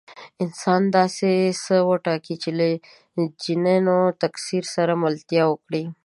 انسان داسې څه وټاکي چې له جینونو تکثیر سره ملتیا وکړي.